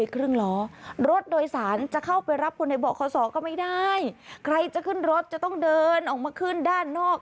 ก็ไม่ได้ใครจะขึ้นรถจะต้องเดินออกมาขึ้นด้านนอก